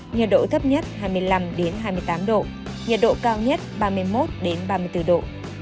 nhiệt độ thấp nhất hai mươi năm hai mươi tám độ nhiệt độ cao nhất ba mươi một ba mươi bốn độ